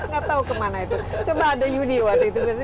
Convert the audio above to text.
nggak tahu kemana itu coba ada yudi waktu itu